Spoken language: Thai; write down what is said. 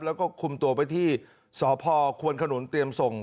แล้วก็คุมตัวไปที่สพควนขนุนเตรียมส่ง